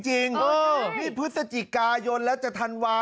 เออใช่นี่พฤศจิกายนแล้วจะทันวา